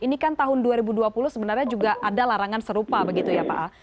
ini kan tahun dua ribu dua puluh sebenarnya juga ada larangan serupa begitu ya pak